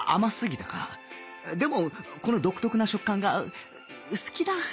でもこの独特な食感が好きだ